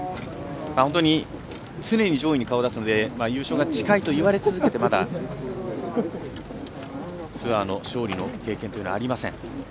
本当に常に上位に顔を出すので優勝が近いと言われ続けてまだ、ツアーの勝利の経験というのはありません。